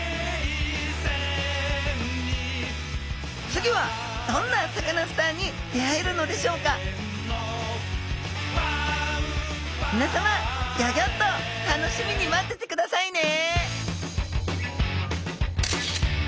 次はどんなサカナスターに出会えるのでしょうかみなさまギョギョッと楽しみに待っててくださいね！